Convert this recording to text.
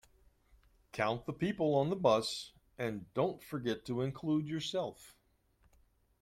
Count the people on the bus, and don't forget to include yourself.